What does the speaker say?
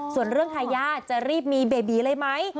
ส่วนเรื่องทายาทจะรีบมีเบบีเลยไหม